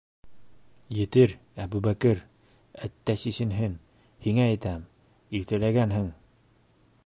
Етер, Әбүбәкер, әттә сисенһен! һиңә әйтәм, иртәләгәнһең?